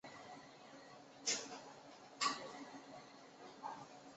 私掠船通常被利用来破坏敌国的海上贸易线。